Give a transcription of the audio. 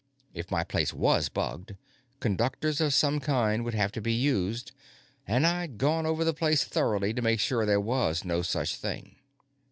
If my place was bugged, conductors of some kind would have to be used, and I'd gone over the place thoroughly to make sure there was no such thing.